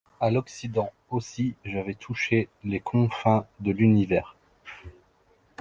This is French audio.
À l’occident aussi, j’avais touché les confins de l’univers.